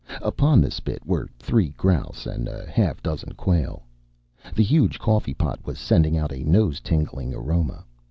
Upon the spit were three grouse and half a dozen quail. The huge coffee pot was sending out a nose tingling aroma.